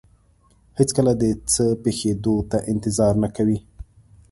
هېڅکله د څه پېښېدو ته انتظار نه کوي.